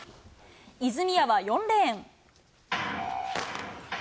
泉谷は４レーン。